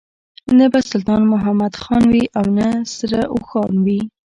نه به سلطان محمد خان وي او نه سره اوښان وي.